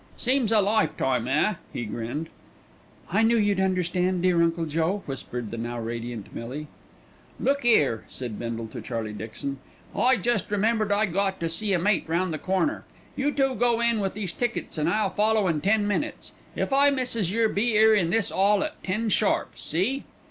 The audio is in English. "Seems a lifetime, eh?" he grinned. "I knew you'd understand, dear Uncle Joe," whispered the now radiant Millie. "Look 'ere," said Bindle to Charlie Dixon, "I jest remembered I got to see a mate round the corner. You two go in wi' these tickets and I'll follow in ten minutes. If I misses yer, be 'ere in this 'all at ten sharp. See?"